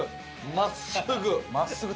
真っすぐ。